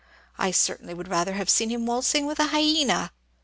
I certainly would rather have seen him waltzing with a hyena!